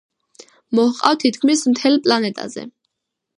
მოჰყავთ თითქმის მთელ პლანეტაზე.